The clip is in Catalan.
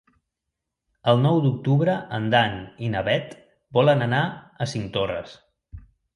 El nou d'octubre en Dan i na Bet volen anar a Cinctorres.